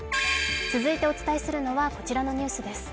続いてお伝えするのはこちらのニュースです。